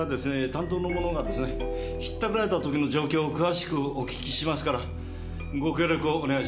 担当の者が引ったくられた時の状況を詳しくお訊きしますからご協力をお願いしますね。